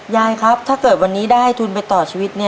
ยายครับถ้าเกิดวันนี้ได้ให้ทุนไปต่อชีวิต